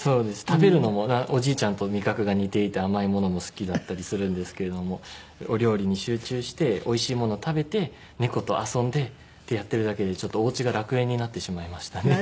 食べるのもおじいちゃんと味覚が似ていて甘いものも好きだったりするんですけれどもお料理に集中しておいしいものを食べて猫と遊んでってやってるだけでちょっとおうちが楽園になってしまいましたね。